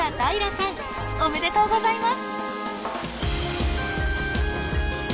おめでとうございます。